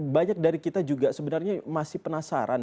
banyak dari kita juga sebenarnya masih penasaran